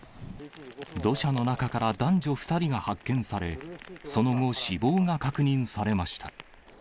土砂の中から男女２人が発見され、その後、死亡が確認されました。